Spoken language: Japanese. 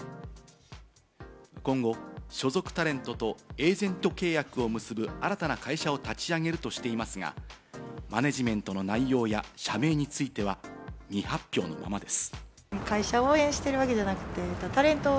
今後、所属タレントとエージェント契約を結ぶ新たな会社を立ち上げるとしていますが、マネジメントの内容や社名については、未発表のままです。